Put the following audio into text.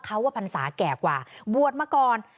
เขาว่าพรรษาแก่กว่าบวชมาก่อน